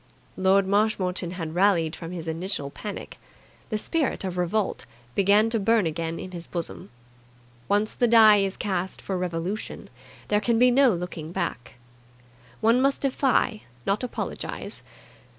Lord Marshmoreton had rallied from his initial panic. The spirit of revolt began to burn again in his bosom. Once the die is cast for revolution, there can be no looking back. One must defy, not apologize.